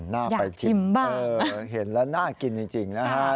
น่าไปชิมบ้างอยากชิมเออเห็นแล้วน่ากินจริงนะฮะ